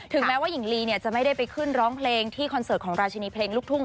แม้ว่าหญิงลีเนี่ยจะไม่ได้ไปขึ้นร้องเพลงที่คอนเสิร์ตของราชินีเพลงลูกทุ่ง